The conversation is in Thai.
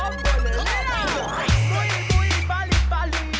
มะมะมันตัวใหร่หรอวะ